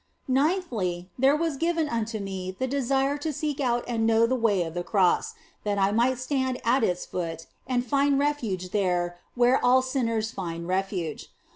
Ninthly, there was given unto me the desire to seek out and know the way of the Cross, that I might stand at its foot and find refuge there where all sinners find refuge.